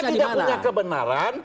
anda tidak punya kebenaran